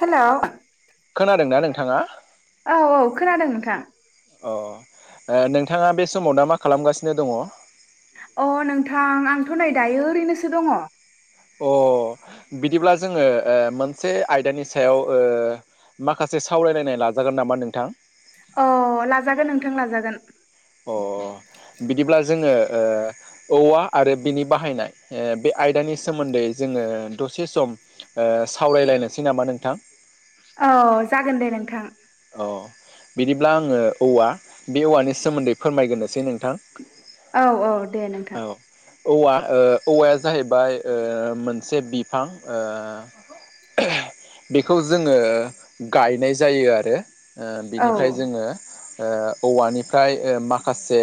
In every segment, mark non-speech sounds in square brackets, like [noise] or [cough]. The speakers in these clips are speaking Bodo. हेलौ, खोनादोंना खोनादों? नोंथाङा औ औ खोनादों नोंथां। अ ओ नोंथाङा बे समाव दा मा खालामगासिनो दङ? अ नोंथां आंथ' नै दायो ओरैनोसो दङ। अ बिदिब्ला जोङो ओ मोनसे आयदानि सायाव ओ माखासे सावरायलायनाय लाजागोन नामा नोंथां? ओं लाजागोन। अ बिदिब्ला जोङो ओ औवा आरो बिनि बाहायनाय बे आयदानि सोमोन्दै जोङो दसे सम ओ सावरायलायनोसै नामा नोंथां? औ जागोन दे नोंथां। अ बिदिब्ला आङो औवा बे औवानि सोमोन्दै फोरमायग्रोनोसै नोंथां। औ औ दे औ नोंथां। औवा ओ औवाया जाहैबाय ओ मोनसे बिफां ओ बेखौ जोङो गायनाय जायो आरो। ओ औ बिनिफ्राय जोङो ओ औवानिफ्राय ओ माखासे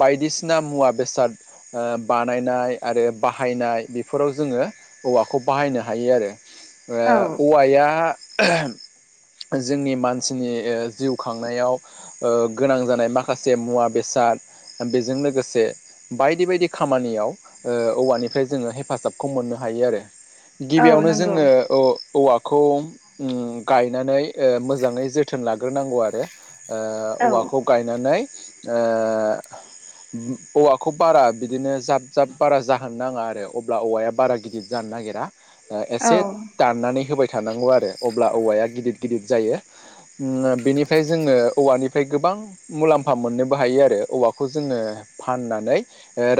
बायदिसिना मुवा बेसाद ओ बानायनाय आरो बाहायनाय बेफोराव जों ङो औवाखौ बाहायनो हायो आरो। औ ओ औवाया जोंनि मानसिनि जिउ खांनायाव ओ गोनां जानाय माखासे मुवा बेसाद। बेजों लोगोसे बायदि बायदि खामानियाव ओ औवानिफ्राय जोङो हेफाजाबखौ मोननो हायो आरो औ गिबियावनो नंगौ जोङो औवाखौ उम गायनानै ओ मोजाङै जोथोन लाग्रोनांगौ आरो ओ औ औवाखौ गायनानै ओ औवाखौ बारा बिदिनो जाब जाब बारा जाहोनो नाङा आरो अब्ला औवाया बारा गिदिर जानो नागिरा औ एसे दाननानै होबाय थानांगौ आरो अब्ला औवाया गिदित गिदित जायो। बेनिफ्राय जोङो औवानि गोबां मुलाम्फा मोननोबो हायो आरो औवाखौ जोङो फाननानै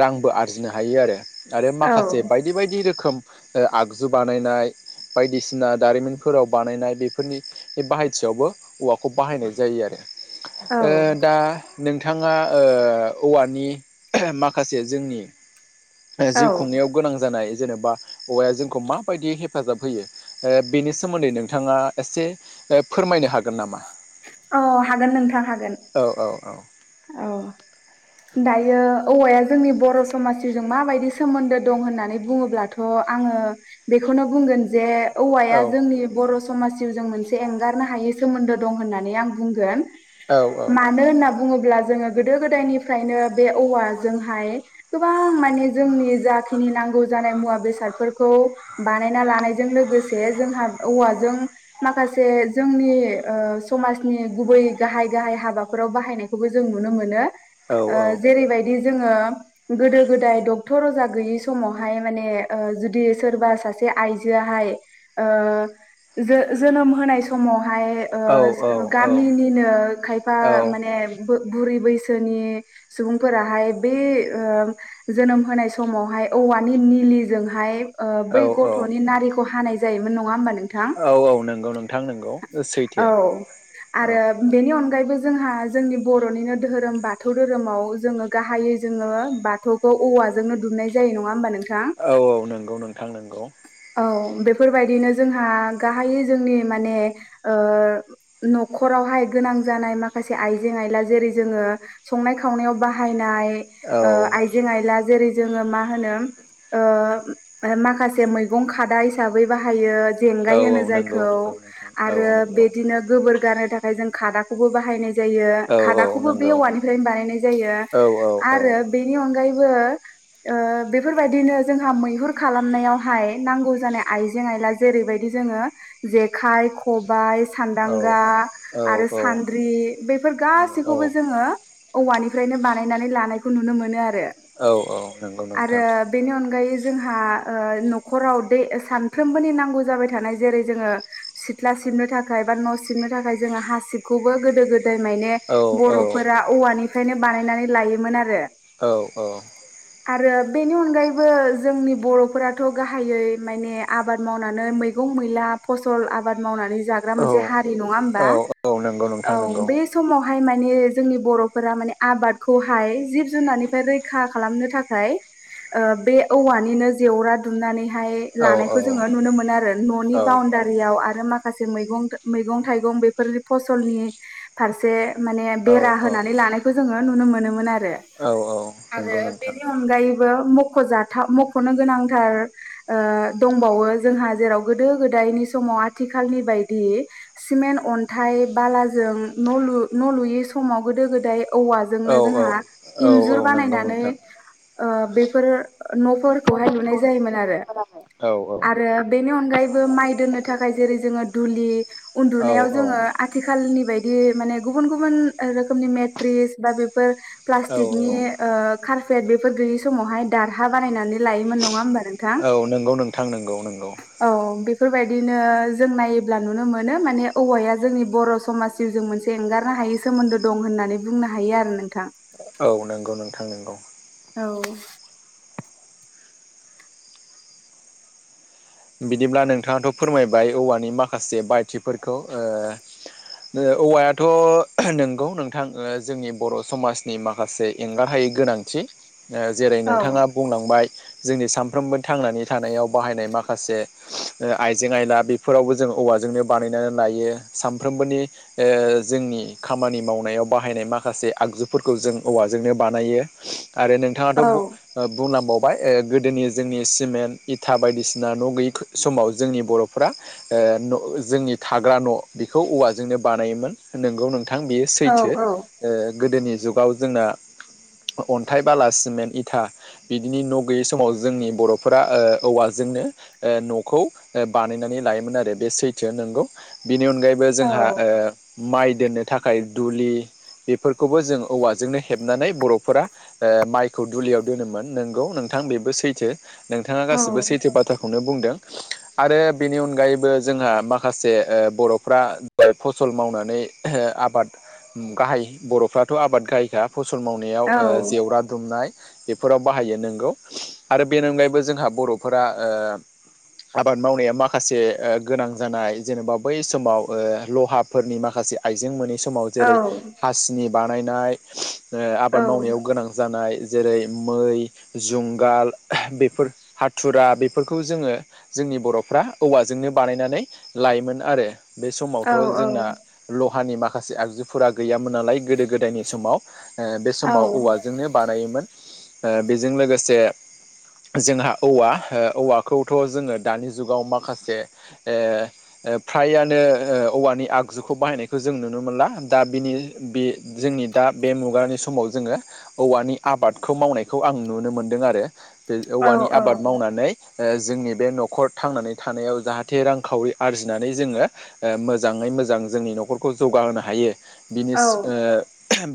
रांबो आरजिनो हायो। बुजिनो हायो आरो आरो माखासे बायदि बायदि रोखोम आगजु बानायनाय बायदिसिना दारिमिनफोराव बानायनाय बे फोरनि बाहायथियावबो औवाखौ बाहायनाय जायो आरो औ ओ दा नोंथाङा ओ औवानि माखासे जोंनि औ जिउ खुंनायाव गोनां जानाय जेनेबा औवाया जोंखौ माबायदि हेफाजाब होयो बेनि सोमोन्दै नोंथाङा एसे फोरमायनो हागोन नामा? अ हागोन नोंथां हागोन औ औ औ औ [inaudible] दायो औवाया जोंनि बर' समाजजों माबायदि सोमोन्दो दं होननानै बुङोब्लाथ' आङो बेखौनो बुंगोन जे औवाया जोंनि बर' समाजयाव जों मोनसे एंगारनो हायै सोमोन्दो दं होननानै आं बुंगोन मानो होनना बुं ङोब्ला जोङो गोदो गोदायनिफ्रायनो बे औवाजोंहाय गोबां माने जोंनि जा बाखिनि नांगौ जानाय मुवा बेसादफोरखौ बानायना लानायजों लोगोसे जोंहा औवाजों माखासे जोंनि ओ समाजनि गुबै गाहाय गाहाय हाबाफोराव बाहायनाय औबो जों नुनो मोनो ओ जेरैबायदि जोदो गोदाय दक टर अरजा गैयि समावहाय माने जुदि सोरबा सासे आइजोआहाय ओ जे जोनोम होनाय समावहाय ओ औ-औ-औ-औ-औ-औ-औ-औ-औ-औ-औ-औ-औ-औ-औ-औ गामिनिनो खायफा माने बुरै बैसोनि सुबुंफोराहाय बे ओ जोनोम होनाय समावहाय औवानि निलिजोंहाय बै गथ'नि नारिखौ हानाय जायोमोन नङा होमबा नों थां नंगौ नोंथां नंगौ सैथो औ आरो बेनि अन गायबो जोंहा जोंनि बर'निनो धोरोम बाथौ धोरोमाव जोङो गाहायै जोङो बाथौखौ औवाजोंनो दुमनाय जायो नङा होनबा नों औ औ नंगौ नोंथां नंगौ औ बेफोरबायदिनो जोंहा गाहायै जोंनि माने ओ न'खरावहाय गोनां जानाय माखासे आइ आइ जें आयला जेरै जोंङो संनाय खनाय बनाय ओ औ-औ-औ आइें आइला जेरै जोङो मा होनो ओ माखासे मैगं खादा हिसाबै बाहायो जेंगाय होनो नंगौ जायखौ नंगौ नोंथां औ आरो नंगौ बिदिनो गोबोर गारनो थाखाय जों खादाखौबो बायनाय जायो औ-औ खादाखौबो बे नंगौ औवानिफ्रायनो बानायनाय जायो आरो बेनि अनगायैबो ओ बेफोरबायदिनो जोंहा मैहुर खालामनायावहाय नांगौ जानाय आइजें आइला जेरै जेरै बायदि जोंङो जेखाय खबाय सानदांगा आरो औ-औ-औ-औ-औ-औ-औ-औ सान्द्रि बेफोर गासैखौबो जोङो औवानिफ्रायनो बानायनानै लानायखौ नुनो मोनो नंगौ नोंथां आरो बेनि अनगायै जोंहा ओ न खराव दै सानफ्रोमबोनि नांगौ जाबाय थानाय जेरै सिथ्ला सिबनो थाखाय बा न' सिबनो थाखाय जोङो हासिबखौबो गोदो गो दाय माने बर'फोरा औवानिफ्रायनो बानायनानै लायोमोन आरो औ औ आरो बेनि अनगायैबो जोंनि बर'फोराथ' गाहायै माने आबाद मावनानै मैगं मैगं मैला फसल आबाद मावनानै जाग्रा मोनसे हारि नङा होमबा नंगौ औ नोंथां नंगौ बे समावहाय माने जोंनि बर'फोरा माने आबादखौहाय जिब जुनारनिफ्राय रैखा खालामनो थाखाय ओ बे औवानिनो जेवरा दुमनानै हायो लानायखौ जोङो नुनो मोनो आरो न'नि औ-औ-औ-औ-औ-औ-औ बाउणारियाव आरो मा माखासे मैगं मैगं थाइगं बेफोरनि फसलनि फारसे माने बेरा होनानै लानायखौ जोङो नुनो मोनोमोन आरो आरो नंगौ नोंथां बेनि अनगायैबो मखजाथाव मखनो गोनांथार ओ दं बावो जोंहा जेराव गोदो गोदायनि समाव आथिखालनि बायदि सिमेन्ट अन्थाइ बालाजों न न लुयि समाव गोदो गोदाय औ औवाजोंनो जोंहा औ औ इन्जुर नंगौ बानायनानै नोंथां। ओ बेफोर नफोरखौहाय लुनाय जायोमोन आरो औ आरो बेनि अनगायैबो माइ दोननो थाखाय जेरै जोङो दुलि उन्दुनायाव जोङो आथिखालनि बाय दि माने गुबुन गुबुन रोखोमनि मेट्रिस बा बेफोर औ प्लासथिकनि औ ओ खार क्लेट बेफोर गैयि समावहाय दारहा बानायनानै लायोमोन नङा होमबा नोंथां? औ नोंगौ नोंथां नंगौ नंगौ औ बेफोरबायदिनो जों नायोब्ला नुनो मोनो माने औवाया जोंनि बर समाजनि जिउजों मोनसे एंगारनो हायै सोमोन्दो दं होननानै बुंनो हायो आरो नोंथां औ नंगौ नोंथां नंगौ औ बिदिब्ला नोंथाङाथ फोरमायबाय औवानि माखासे बाहायथिफोरखौ ओ ओ औवायाथ नंगौ नोंथा जोंनि बर समाजनि माखासे एंगारहायि गोनांथि ओ जेरै औ नोंथाङा बुंलांबाय जोंनि सानफ्रोमबो थांनानै थानायाव बाहायनाय माखा खासे ओ आइजें आयला बेफोरावबो जों औवाजोंनो बानायनानै लायो सानफ्रोमबोनि ओ जोंनि खामानि मावनायाव बाहायनाय माखासे आगजुफोरखौ जों औवाजोंनो बानायो आरो नोंथाङाथ औ बु ओ बुंलांबावबाय गोदोनि जोंनि सिमेन्ट इथा बायदिसिना ना न गैयि समाव जोंनि बरफोरा ओ जोंनि थाग्रा न बेखौ औवाजोंनो बानायोमोन नोंगौ नोंथां बेयो औ सैथो ओ गोदोनि जुगाव जोंना अन्थाइ बाला सिमेन्ट इथा बिदिनि न गैयै समाव जोंनि बरफोरा ओ औवाजोंनो ओ नखौ बानायनानै लायोमोन आरो बे सैथो नंगौ। बिनि अनगायैबो औ जोंहा ओ माइ दोननो थाखाय दुलि बेफोरखौबो जों औवाजोंनो हेबनानै बरफोरा ओ माइखौ दुलियाव दोनोमोन नंगौ नोंथां थां बेबो सैथो नोंथाङा औ गासिबो सैथो बाथ्राखौनो बुंदों। आरो बेनि अनगायैबो जोंहा माखासे ओ बरफ्रा फसल मावनानै आबाद गाहाय बरफ्राथ आबाद गाहाय खा फसल मावनायाव औ ओ जेवरा दुमनाय बेफोराव बाहायो नंगौ आरो बेनि अनगायैबो जोंहा बरफोरा ओ आबाद मावनाया माखासे ओ गोनां जानाय जेनेबा बै समाव ओ लहाफोरनि माखासे आइजें मोनि समाव जेरै हासिनि बानायनाय ओ औ आबाद मावनायाव गोनां जानाय जेरै मै जुंगाल बेफोर हाथुरा बे बेफोरखौ जोङो जोंनि बरफ्रा औवाजोंनो बानायनानै लायोमोन आरो बे औ समावथ जोंना औ ल हानि माखासे आगजुफोरा गैयामोन नालाय गोदो गोदायनि समाव। ओ बे औ समाव औवाजोंनो बानायोमोन। ओ बेजों लोगोसे जोंहा औवा ओ औवाखौथ जोङो दानि जुगाव माखासे ए ए फ्रायानो ओवा नि आगजुखौ बाहायनायखौ जों नुनो मोनला दा बिनि बे जोंनि दा बे मुगानि समाव जोङो औवानि आबादखौ मावनायखौ आं नुनो मोनदों आरो बे औवानि आबाद मावनानै ओ जोंनि बे नखर थांनानै थानायाव जाहाथे रांखावरि आरजिनानै जोङो ओ मोजाङै मोजां जोंनि नखरखौ जौगाहोनो हायो बिनि औ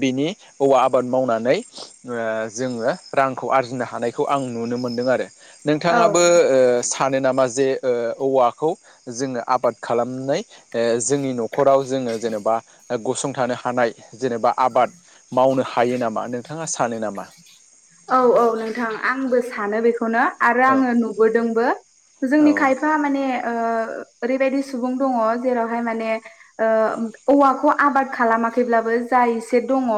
बिनि औवा आबाद मावनानै ओ जोङो रांखौ आरजिनो हानायखौ आं नुनो मोनदों आरो औ नोंथाङाबो ओ सानो नामा जे ओ औवाखौ जोङो आबाद खालामनाय ओ जोंनि न'खराव जोङो जेनेबा गसंथानो हानाय। जेनेबा आबाद मावनो हायो नामा नोंथाङा सानो नामा? औ औ नोंथां आंबो सानो बेखौ खौनो आरो औ आङो नुबोदोंबो जोंनि औ खायफा माने ओरैबायदि सुबुं दङ जेरावहाय माने औवाखौ आबाद खालामाखैब्लाबो जा खायसे दङ।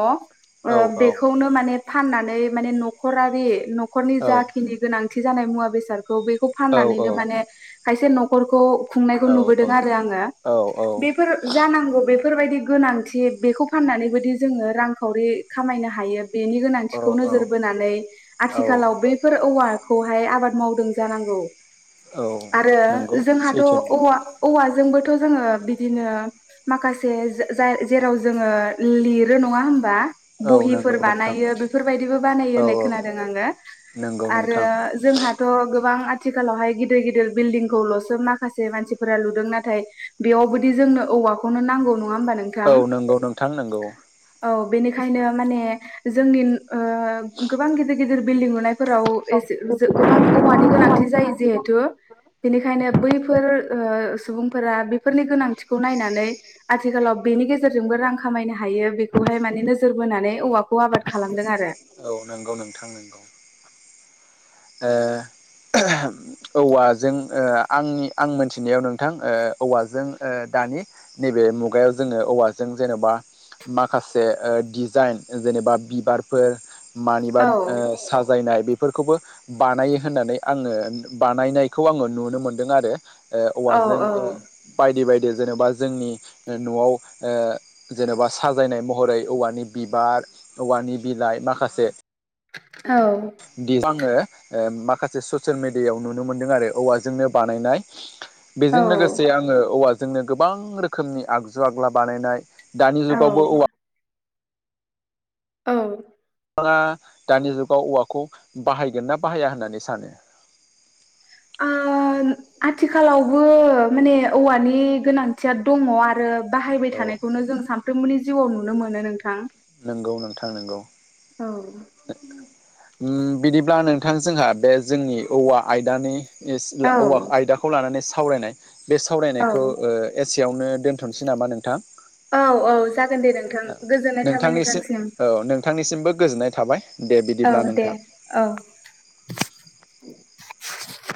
औ ओ औ बेखौनो माने फाननानै माने न'खरारि न'खरनि औ जाखिनि गोनांथि आथि जानाय मुवा बेसादखौ बेखौ फाननानैनो औ माने खायसे न'खरखौ [unintelligible] औ खुंनायखौ नुबोदों आरो आङो बेफोर जानांगौ बेफोरबायदि गोनांथि बेखौ फाननानै बदि जोङो रांखावरि खामायनो हायो बेनि गोनांथिखौ नोजोर औ बोनानै औ आथिखालाव बैफोर औवाखौहाय आबाद मावदों जानांगौ औ आरो नंगौ जोंहाथ' सैथो नंगौ औवा औवाजोंबो बेखौ जोङो बिदिनो माखासे जेराव जोङो लिरो नङा होमबा औ बहिफोर नंगौ नोंथां बानायो बेफोरबायदिबो बानाय औ होननाय औ खोनादों आङो नंगौ आरो नोंथां जोंहाथ' गोबां आथिखालावहाय गिदिर गिदिर बिल्डिंखौल'सो माखासे मानसिफोरा लुदों नाथाय बेयावबोदि जोंनो औवाखौनो नांगौ नंङा होमबा नोंथां औ नंगौ नोंथां नंगौ औ बेनिखायनो माने जोंनि गोबां गिदिर गिदिर बिल्डिं लुनाय। फोराव एसे गोबां औवानि गोनांथि जायो गोनांथि दं जिहेथु बेनिखायनो बैफोर सुबुंफोरा बेफो ओ सुबुंफोरा गोनांथिखौ नायनानै आथिखालाव बेनि गेजेरजोंबो रां खामायनो हायो बेखौहाय माने नोजोर बोनानै औवाखौ आबाद खालामदों आरो औ नंगौ नोंथां नंगौ। ओ। औवाजों आंनि आं मोनथिनायाव नोंथां औवाजों दानि नैबे बे मुगायाव जोङो औवाजों जेन'बा माखासे दिजाइन जेनेबा बिबारफोर मानिबा औ साजायनाय बेफोरखौबो बानायो होननानै आङो बानायनायखौ आङो नुनो मोनदों आरो। ओ औ औवाजों ओ बायदि-बायदि जेन'बा जोंनि न'आव ओ जेनेबा साजायनाय महरै औवानि बिबार औवानि बिलाइ माखासे दिखांङो ओ माखासे ससियेल मेडियायाव नुनो मोनदों आरो औवाजोंनो बानायनाय औ बेजों लोगोसे आङो औवाजोंनो गोबां रोखोमनि आगजु आग्ला बानायनाय दानि औ जुगावबो औवा औ। बिथाङा दानि जुगाव औवाखौ बाहायगोन ना बाहाया होननानै सानो। ओ आथिखालावबो माने औवानि गोनांथिया दङ आरो। बाहायबाय औ थानायखौनो जों सानफ्रोमबोनि जिउआव नुनो मोनो नोंथां। नंगौ नोंथां नंगौ। औ उम बिदिब्ला नोंथां जोंहा बे जोंनि औवा आयदानि। एस-ला औवा आयदाखौ लानानै सावरायनाय बे सावरायनायखौ औ ओ एस सेयावनो दोनथ'नोसै नामा नोंथां औ-औ। जागोन दे नोंथां गोजोननाय थाबाय नोंथांनिसिम नोंथांसिम औ नोंथांनिसिमबो गोजोननाय थाबाय दे औ बिदिब्ला दे। नोंथां औ। [unintelligible] [unintelligible]